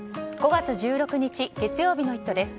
５月１６日月曜日の「イット！」です。